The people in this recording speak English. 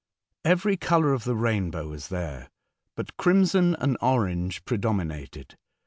Every colour of the rainbow was there, but crimson and orange predominated.